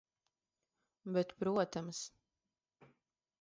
Bet protams.